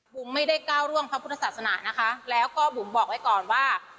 ไม่ได้ก้าวร่วงพระพุทธศาสนานะคะแล้วก็บุ๋มบอกไว้ก่อนว่า